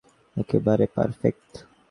John Cena peacemaker চরিত্রের জন্য একেবারে পারফেক্ট।